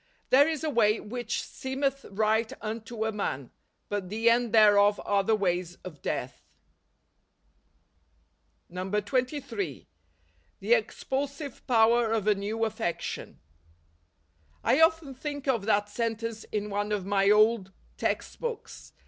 " There is a way which seemeth right unto a man , but the end thereof are the ways of death." 132 NOVEMBER. 23. " The expulsive power of a new affection." I often think of that sentence in one of my old text books.